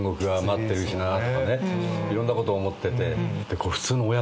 いろんなこと思ってて。